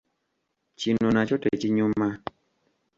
Kino nakyo tekinyuma.